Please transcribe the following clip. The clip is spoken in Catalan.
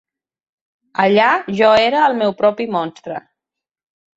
Allà, jo era el meu propi monstre.